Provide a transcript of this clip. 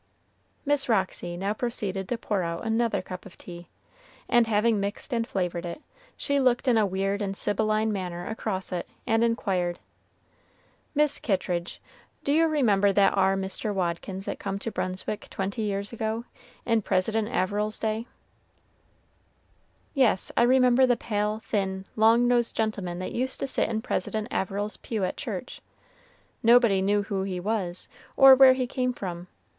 Miss Roxy now proceeded to pour out another cup of tea, and having mixed and flavored it, she looked in a weird and sibylline manner across it, and inquired, "Mis' Kittridge, do you remember that ar Mr. Wadkins that come to Brunswick twenty years ago, in President Averill's days?" "Yes, I remember the pale, thin, long nosed gentleman that used to sit in President Averill's pew at church. Nobody knew who he was, or where he came from.